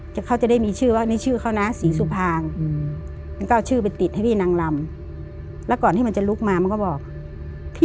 แต่เขาจะได้มีชื่อว่านี่ชื่อเขานะศรีสามารถ